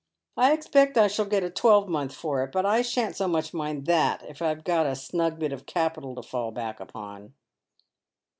I expect I shall get a twelvemonth for it, but I shan't so much mind that if I've got a snug bit of capital to fall back upon."